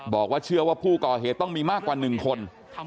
บอกว่าเชื่อว่าผู้ก่อเหตุต้องมีมากกว่า๑คน